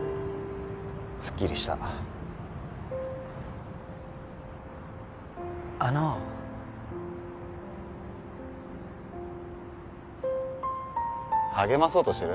スッキリしたあの励まそうとしてる？